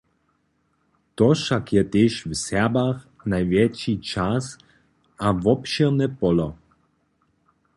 To wšak je tež w Serbach najwjetši čas a wobšěrne polo.